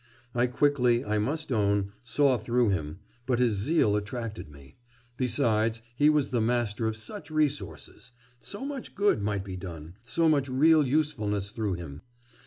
I quickly, I must own, saw through him; but his zeal attracted me. Besides, he was the master of such resources; so much good might be done, so much real usefulness through him....